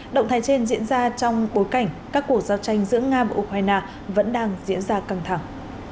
động thái trên diễn ra trong bối cảnh các cuộc giao tranh giữa nga và ukraine vẫn đang diễn ra căng thẳng